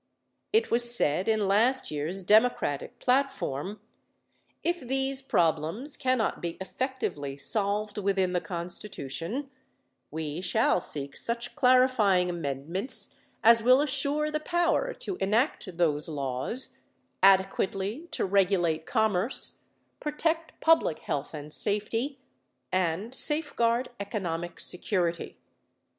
It was said in last year's Democratic platform, "If these problems cannot be effectively solved within the Constitution, we shall seek such clarifying amendment as will assure the power to enact those laws, adequately to regulate commerce, protect public health and safety, and safeguard economic security."